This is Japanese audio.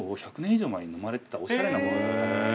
以上前に飲まれてたおしゃれなものだったんです。